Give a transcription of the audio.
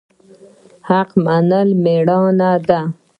حق منل میړانه ده